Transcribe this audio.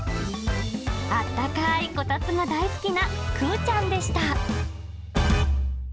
あったかいこたつが大好きなクーちゃんでした。